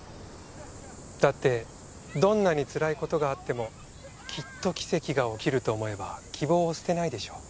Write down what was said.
だってどんなにつらい事があってもきっと奇跡が起きると思えば希望を捨てないでしょ？